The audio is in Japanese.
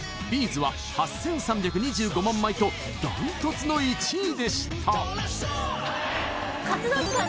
’ｚは８３２５万枚とダントツの１位でした活動期間